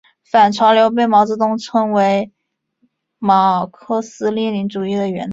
反潮流被毛泽东称为马克思列宁主义的原则。